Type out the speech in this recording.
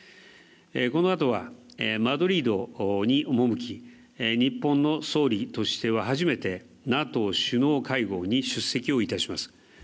このあとはマドリードに赴き、日本の総理としては初めてＮＡＴＯ首脳会合に出席いたします。